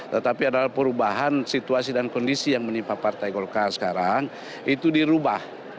tetapi adalah perubahan situasi dan kondisi yang menimpa partai golkar sekarang itu dirubah